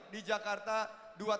di jakarta dua tahun telah berlangsung